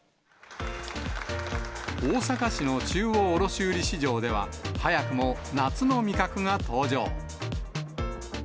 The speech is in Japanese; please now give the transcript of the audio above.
大阪市の中央卸売市場では、早くも夏の味覚が登場。